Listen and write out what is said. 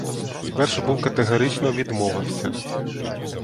Спершу був категорично відмовився.